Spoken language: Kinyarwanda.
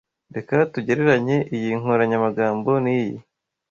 Reka tugereranye iyi nkoranyamagambo niyi.